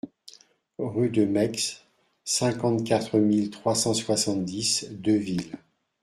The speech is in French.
Rue de Maixe, cinquante-quatre mille trois cent soixante-dix Deuxville